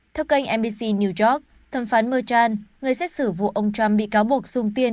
theo kênh nbc new york thẩm phán merchan người xét xử vụ ông trump bị cáo bộc dùng tiền